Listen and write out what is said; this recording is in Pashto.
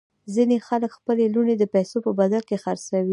ځینې خلک خپلې لوڼې د پیسو په بدل کې خرڅوي.